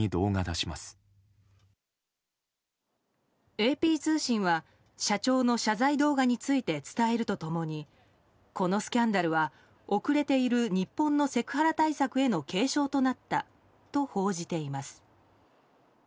ＡＰ通信は社長の謝罪動画について伝えるとともにこのスキャンダルは遅れている日本のセクハラ対策への警鐘となったと報じています。